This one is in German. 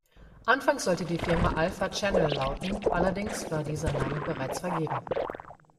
Anfangs sollte die Firma „Alpha Channel“ lauten, allerdings war dieser Name bereits vergeben.